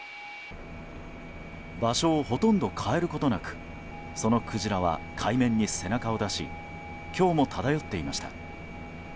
場所をほとんど変えることなくそのクジラは海面に背中を出し今日も漂っていました。